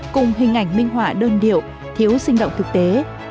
cùng hình ảnh minh họa đơn điệu thiếu sinh động thực tế